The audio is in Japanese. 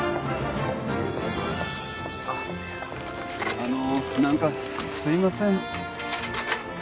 あの何かすいません